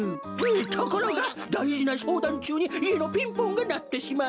「ところがだいじなしょうだんちゅうにいえのピンポンがなってしまい」。